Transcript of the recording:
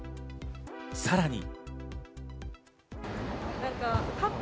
さらに。